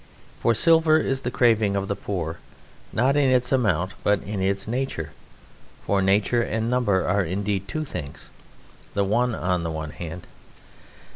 For silver is the craving of the poor, not in its amount, but in its nature, for nature and number are indeed two things, the one on the one hand...."